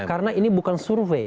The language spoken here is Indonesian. karena ini bukan survei